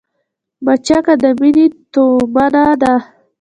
مچکه د مينې تومنه ده